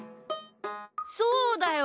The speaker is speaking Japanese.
そうだよ！